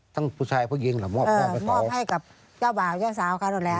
ทั้งผู้ชายผู้หญิงละมอบให้กับเจ้าบ่าวเจ้าสาวข้านู่นแหละ